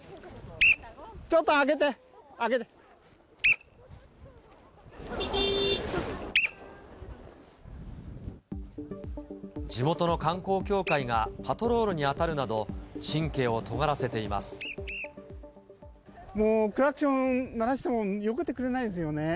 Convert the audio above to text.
ちょっと開けて、地元の観光協会がパトロールに当たるなど、もう、クラクション鳴らしてもよけてくれないんですよね。